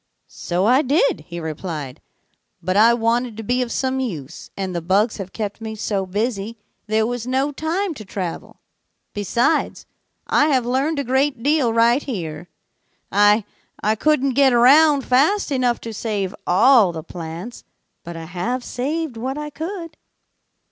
'So I did,' he replied, 'but I wanted to be of some use, and the bugs have kept me so busy there was no time to travel. Besides, I have learned a great deal right here. I I couldn't get around fast enough to save all the plants, but I have saved what I could.'